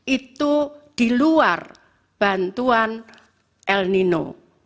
itu di luar bantuan el nino